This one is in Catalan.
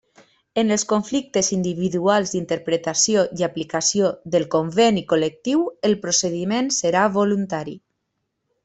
En els conflictes individuals d'interpretació i aplicació del Conveni Col·lectiu el procediment serà voluntari.